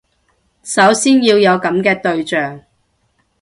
首先要有噉嘅對象